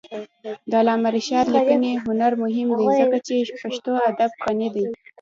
د علامه رشاد لیکنی هنر مهم دی ځکه چې پښتو ادب غني کوي.